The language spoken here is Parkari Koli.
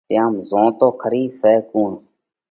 تيام زون تو کرِي سئہ ڪُوڻ؟